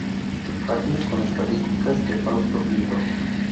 Página con Estadísticas de Fausto Pinto